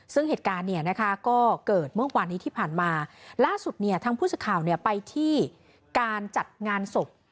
ซึ่งเหตุการณ์ก็เกิดเมื่อวานที่ผ่านมาล่าสุดเนี่ยทางพุศข่าวไปที่การจัดงานศพ